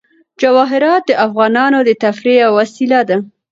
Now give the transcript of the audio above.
جواهرات د افغانانو د تفریح یوه وسیله ده.